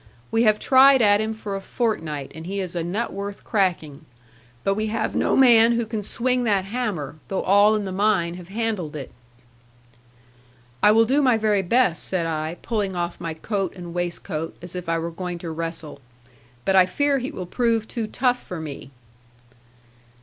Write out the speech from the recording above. We have tried at him for a fortnight, and he is a nut worth cracking. But we have no man who can swing that hammer, though all in the mine have handled it.' 'I will do my very best,' said I, pulling off my coat and waistcoat, as if I were going to wrestle; 'but I fear he will prove too tough for me.'